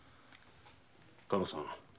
加納さん。